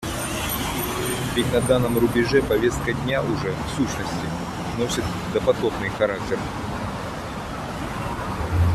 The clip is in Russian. Ведь на данном рубеже повестка дня уже, в сущности, носит допотопный характер.